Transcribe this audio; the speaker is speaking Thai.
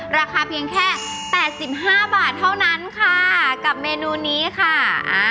ราคาเพียงแค่๘๕บาทเท่านั้นค่ะกับเมนูนี้ค่ะ